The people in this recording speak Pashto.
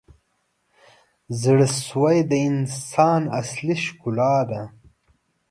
• زړه سوی د انسان اصلي ښکلا ده.